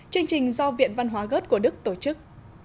chương trình do viện văn hóa gớt của đức tổ chức